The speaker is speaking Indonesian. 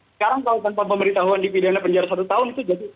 sekarang kalau tanpa pemberitahuan di pidana penjara satu tahun itu jatuh